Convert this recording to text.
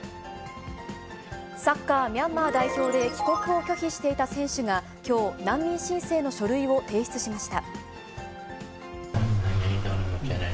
サッカーミャンマー代表で、帰国を拒否していた選手がきょう、難民申請の書類を提出しました。